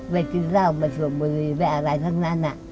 ไปกินราวไปสวมบุรีแม่อะไรทั้งนั้น